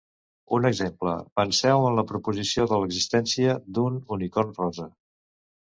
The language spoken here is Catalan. Un exemple: penseu en la proposició de l'existència d'un "unicorn rosa".